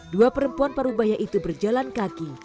dua perempuan parubaya itu berjalan kaki